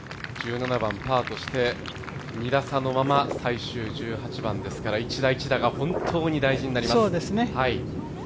１７番パーとして、２打差のまま最終１８番ですから１打１打が本当に大事になります。